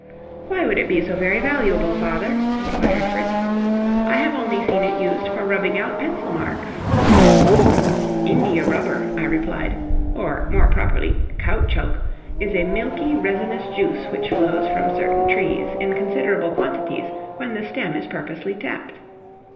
"Why would it be so very valuable, father?" inquired Fritz. "I have only seen it used for rubbing out pencil marks." "India rubber," I replied, "or, more properly, caoutchouc, is a milky, resinous juice which flows from certain trees in considerable quantities when the stem is purposely tapped.